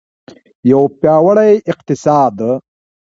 یو پیاوړی اقتصاد.